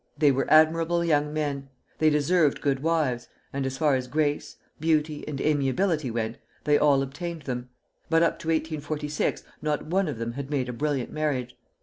They were admirable young men, they deserved good wives, and as far as grace, beauty, and amiability went, they all obtained them; but up to 1846 not one of them had made a brilliant marriage.